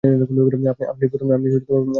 আপনিই প্রথম নন!